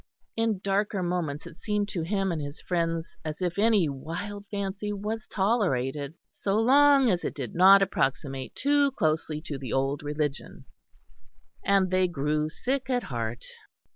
In darker moments it seemed to him and his friends as if any wild fancy was tolerated, so long as it did not approximate too closely to the Old Religion; and they grew sick at heart.